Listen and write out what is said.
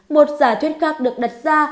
một giả thuyết khác được đặt ra